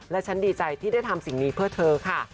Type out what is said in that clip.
และฉันดีใจที่ได้ทำสิ่งนี้เพื่อเธอค่ะ